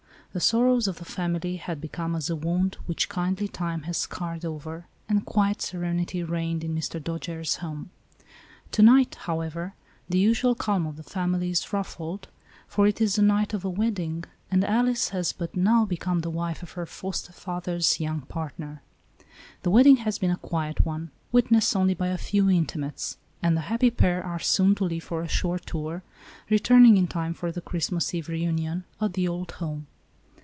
The sorrows of the family had be come as a wound which kindly time has scarred over, and quiet serenity reigned in Mr. Dojere's home. To night, however, the usual calm of the fam ily is ruffled, for it is the night of a wedding, and Alice has but now become the wife of her foster father's young partner. The wedding has been a quiet one, witnessed only by a few inti mates, and the happy pair are soon to leave for a short tour, returning in time for the Christmas Eve reunion at the old home.